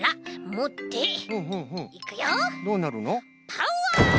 パワー！